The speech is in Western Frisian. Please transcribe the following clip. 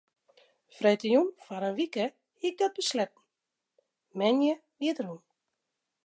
Freedtejûn foar in wike hie ik dat besletten, moandei wie it rûn.